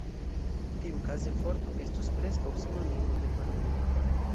Tiukaze "vorto" estus preskaŭ sinonimo de "paroli".